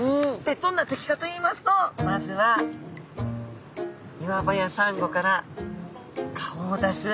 どんな敵かといいますとまずは岩場やサンゴから顔を出す。